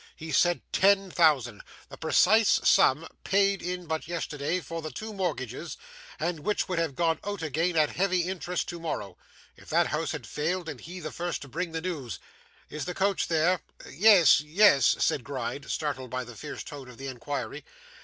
He said ten thousand! The precise sum paid in but yesterday for the two mortgages, and which would have gone out again, at heavy interest, tomorrow. If that house has failed, and he the first to bring the news! Is the coach there?' 'Yes, yes,' said Gride, startled by the fierce tone of the inquiry.